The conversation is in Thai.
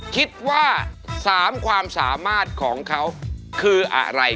คิดว่า๓ความสามารถของเขาคืออะไร